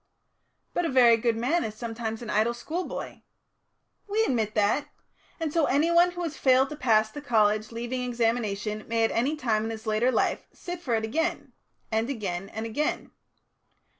"But a very good man is sometimes an idle schoolboy." "We admit that. And so anyone who has failed to pass the college leaving examination may at any time in later life sit for it again and again and again.